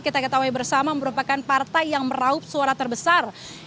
kita ketahui bersama merupakan partai yang meraup suara terbesar